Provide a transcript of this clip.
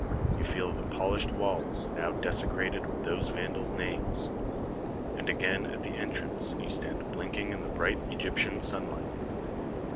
You feel the polished walls now de secrated with those vandals' names. And again at the entrance you stand blinking in the bright Egyptian sunlight.